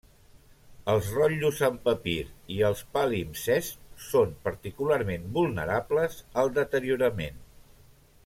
Els rotllos en papir i els palimpsests són particularment vulnerables al deteriorament.